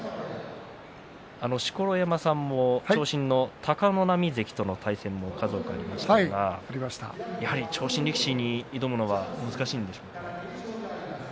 錣山さんも長身の貴ノ浪関との対戦が数多くありましたがやはり長身力士に挑むのは難しいんでしょうか。